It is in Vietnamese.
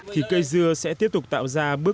thì cây dưa sẽ tiếp tục tạo ra những năng lượng tốt hơn